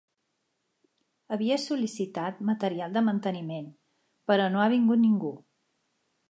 Havia sol·licitat material de manteniment, però no ha vingut ningú.